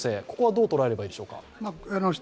ここはどう捉えればいいでしょうか？